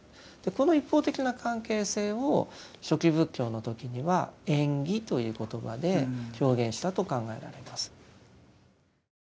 この一方的な関係性を初期仏教の時には縁起という言葉で表現したと考えられます。